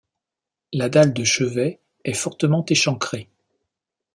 La dalle de chevet est fortement échancrée.